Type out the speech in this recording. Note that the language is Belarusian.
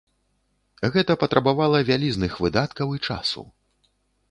Гэта патрабавала вялізных выдаткаў і часу.